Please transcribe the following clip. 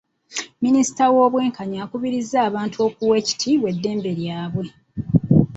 Minisita w'obwenkanya akubiriza abantu okuwa ekitiibwa eddembe lyabwe.